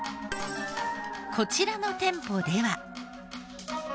こちらの店舗では。